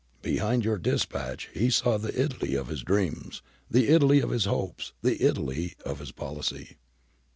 Behind your dispatch he saw the Italy of his dreams, the Italy of his hopes, the Italy of his policy.'